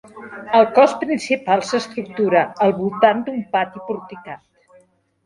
El cos principal s'estructura al voltant d'un pati porticat.